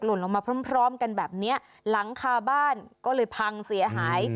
ลงมาพร้อมพร้อมกันแบบเนี้ยหลังคาบ้านก็เลยพังเสียหาย